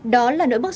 đó là nỗi bất ngờ